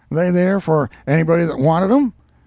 they there for anybody that wanted 'em?